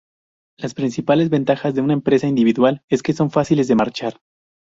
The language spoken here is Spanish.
Las principales ventajas de una empresa individual es que son fáciles de marchar.